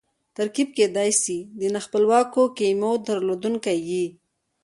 ترکیب کېدای سي د نا خپلواکو کیمو درلودونکی يي.